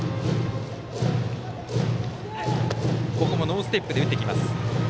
ノーステップで打ってきます。